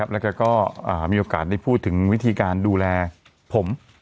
แล้วก็มีโอกาสได้พูดถึงวิธีการดูแลผม